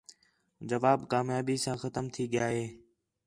جواب کامیابی ساں ختم تھی ڳیا ہِے